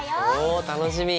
おお楽しみ！